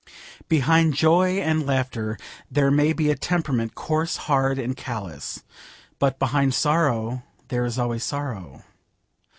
Behind joy and laughter there may be a temperament, coarse, hard and callous. But behind sorrow there is always sorrow.